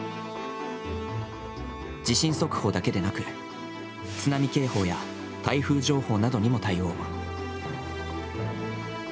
地震速報だけでなく、津波警報や台風情報などにも対応。